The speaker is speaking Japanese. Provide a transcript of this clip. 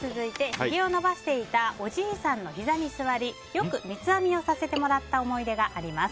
ひげを伸ばしていたおじいちゃんのひざに座りよく三つ編みさせてもらった思い出があります。